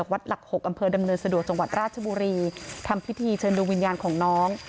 วัดหลัก๖อำเภอดำเนินสะดวกจังหวัดราชบุรีทำพิธีเชิญดวงวิญญาณของน้อง